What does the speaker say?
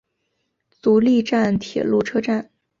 足利站铁路车站。